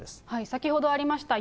先ほどありました